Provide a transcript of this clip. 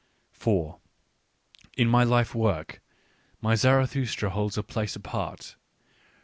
4 In my lifework, my Zarathustra holds a place apart.